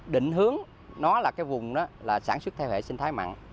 định hướng nó là cái vùng đó là sản xuất theo hệ sinh thái mặn